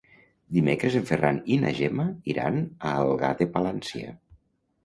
Dimecres en Ferran i na Gemma iran a Algar de Palància.